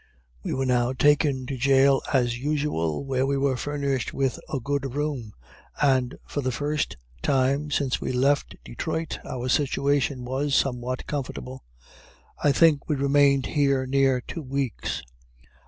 We were now taken to jail as usual, where we were furnished with a good room, and for the first time since we left Detroit our situation was somewhat comfortable. I think we remained here near two weeks.